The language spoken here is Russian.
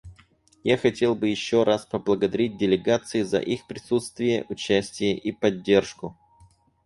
Я хотел бы еще раз поблагодарить делегации за их присутствие, участие и поддержку.